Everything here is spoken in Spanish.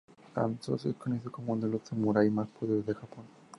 Hanzo es conocido como uno de los Samurái más poderosos de Japón.